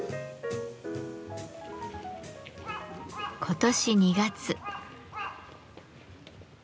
今年２月。